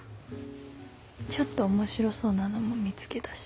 ちょっと面白そうなのも見つけたし。